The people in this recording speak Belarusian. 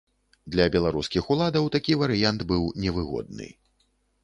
Для беларускіх уладаў такі варыянт быў невыгодны.